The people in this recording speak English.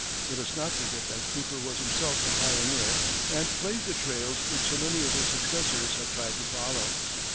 Let us not forget that Cooper was himself a pioneer and blazed the trails which so many of his successors have tried to follow.